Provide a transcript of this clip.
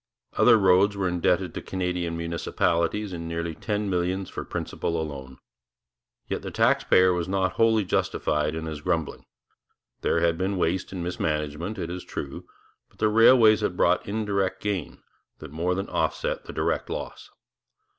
Other roads were indebted to Canadian municipalities in nearly ten millions for principal alone. Yet the taxpayer was not wholly justified in his grumbling. There had been waste and mismanagement, it is true, but the railways had brought indirect gain that more than offset the direct loss.